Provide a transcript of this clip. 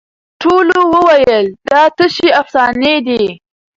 ټولو وویل دا تشي افسانې دي